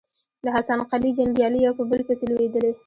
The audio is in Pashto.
د حسن قلي جنګيالي يو په بل پسې لوېدل.